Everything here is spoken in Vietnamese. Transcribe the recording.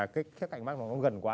cái cạnh mắt nó gần quá